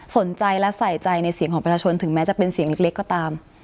สนใจและใส่ใจในเสียงของประชาชนถึงแม้จะเป็นเสียงเล็กก็ตาม